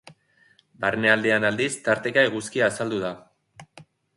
Barnealdean aldiz, tarteka eguzkia azaldu da.